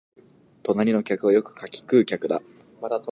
隣の客はよくかき食う客だ